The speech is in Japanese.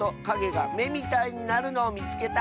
がめみたいになるのをみつけた！」。